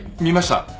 見ました。